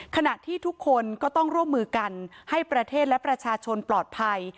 ขณะที่ทุกคนก็ต้องร่วมมือกันให้ประเทศและประชาชนปลอดภัย